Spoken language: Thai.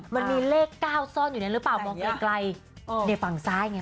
มันมีเลข๙ซ่อนอยู่เนี่ยหรือเปล่ามองไกลในฝั่งซ้ายไง